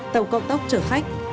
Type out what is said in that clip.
tàu cộng tốc chở khách